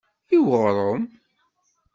I uɣrum?